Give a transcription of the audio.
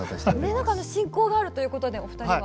何か親交があるということでお二人は。